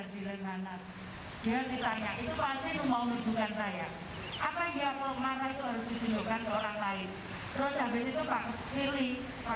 saya ngajar di renang renang dia ditanya itu pasti mau menunjukkan saya